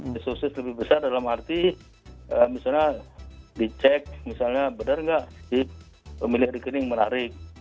risukses lebih besar dalam arti misalnya dicek misalnya benar nggak pemilihan rekening menarik